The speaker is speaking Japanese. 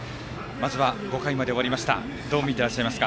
まずは５回まで終わりました。